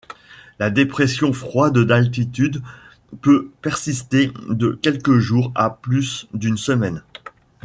La dépression froide d'altitude peut persister de quelques jours à plus d'une semaine.